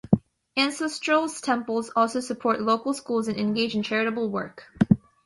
Ancestral temples also support local schools and engage in charitable work.